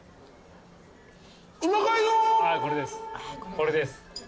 これです。